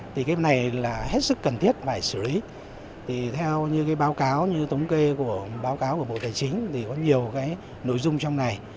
thì cái này là hết sức cần thiết phải xử lý thì theo như cái báo cáo như tống kê của báo cáo của bộ tài chính thì có nhiều cái nội dung trong này